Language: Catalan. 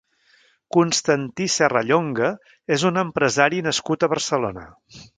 Constantí Serrallonga és un empresari nascut a Barcelona.